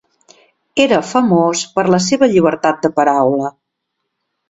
Era famós per la seva llibertat de paraula.